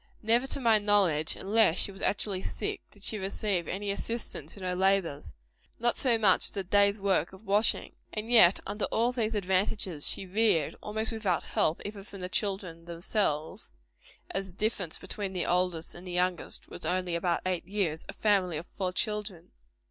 Never, to my knowledge, unless she was actually sick, did she receive any assistance in her labors not so much as a day's work of washing. And yet under all these disadvantages, she reared almost without help even from the children themselves, as the difference between the oldest and the youngest was only about eight years a family of four children.